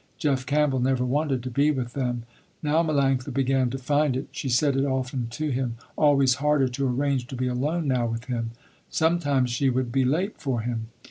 Jeff Campbell never wanted to be with them. Now Melanctha began to find it, she said it often to him, always harder to arrange to be alone now with him. Sometimes she would be late for him.